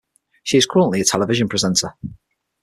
She is currently a television presenter.